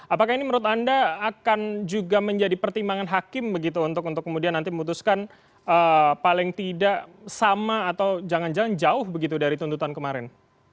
apakah ini menurut anda akan juga menjadi pertimbangan hakim begitu untuk kemudian nanti memutuskan paling tidak sama atau jangan jangan jauh begitu dari tuntutan kemarin